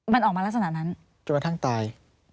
มันออกมาลักษณะนั้นจนกระทั่งตาย